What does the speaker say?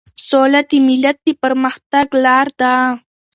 سوله د ملت د پرمختګ لار ده.